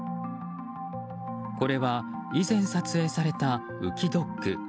これは以前撮影された浮きドック。